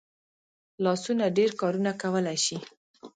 لاسونه ډېر کارونه کولی شي